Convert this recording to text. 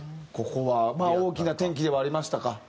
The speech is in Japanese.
ここはまあ大きな転機ではありましたか？